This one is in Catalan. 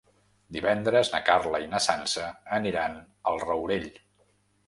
Divendres na Carla i na Sança aniran al Rourell.